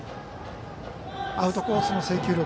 アウトコースの制球力。